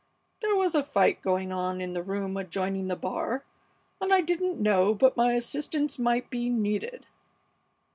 There was a fight going on in the room adjoining the bar, and I didn't know but my assistance might be needed!"